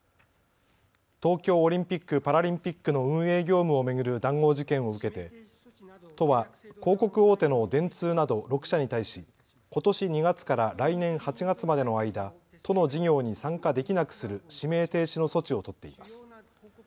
東京オリンピック・パラリンピックの運営業務を巡る談合事件を受けて都は広告大手の電通など６社に対し、ことし２月から来年８月までの間、都の事業に参加できなくする指名停止の措置を取っています。